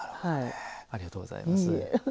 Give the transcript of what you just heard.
ありがとうございます。